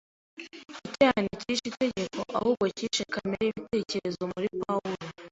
Icyaha ntikishe itegeko; ahubwo cyishe kamere y’ibitekerezo muri Pawulo.